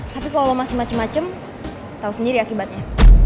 tapi kalo lo masih macem macem tau sendiri akibatnya